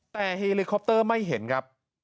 แต่เฮลิคอปเตอร์ไม่เห็นครับ